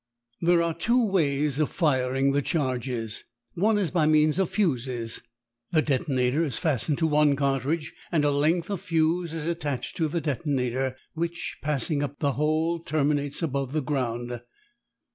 There are two ways of firing the charges. One is by means of fuses. The detonator is fastened to one cartridge and a length of fuse is attached to the detonator, which passing up the hole terminates above the ground.